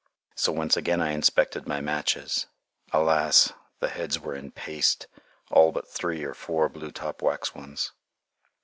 So once again I inspected my matches. Alas! the heads were in paste, all but three or four blue top wax ones.